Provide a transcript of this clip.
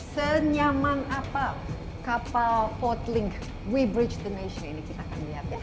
senyaman apa kapal portlink we bridge the nation ini kita akan lihat ya